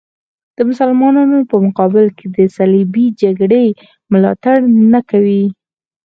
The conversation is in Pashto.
د مسلمانانو په مقابل کې د صلیبي جګړې ملاتړ نه کوي.